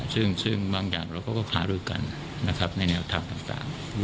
ซึ่งบางอย่างเราก็ค้ารู้กันนะครับในแนวธรรมต่าง